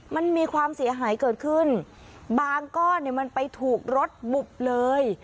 มันมีความเสียหายเกิดขึ้นบางก้อนเนี่ยมันไปถูกรถบุบเลย